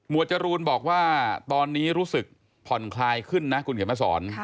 จรูนบอกว่าตอนนี้รู้สึกผ่อนคลายขึ้นนะคุณเขียนมาสอน